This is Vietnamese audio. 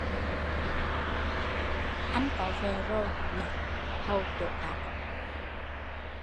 Anh có vợ rồi nên dú đút cô vợ hầu chỗ khác